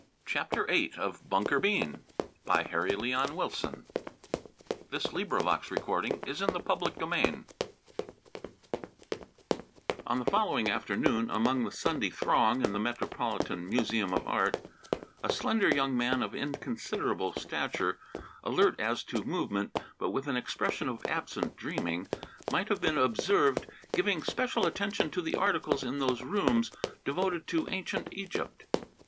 It was hardly more than a whisper and was uttered in all reverence. Then "God! how I've changed!" VIII On the following afternoon, among the Sunday throng in the Metropolitan Museum of Art, a slender young man of inconsiderable stature, alert as to movement, but with an expression of absent dreaming, might have been observed giving special attention to the articles in those rooms devoted to ancient Egypt.